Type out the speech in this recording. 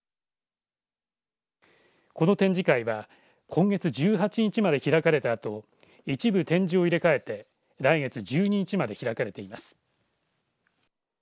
この展示会は今月１８日まで開かれたあと一部展示を入れ替えて来月１２日まで開かれています。